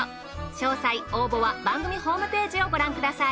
詳細応募は番組ホームページをご覧ください。